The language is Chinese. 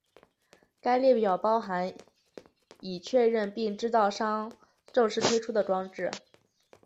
该列表包含已确认并制造商正式推出的装置。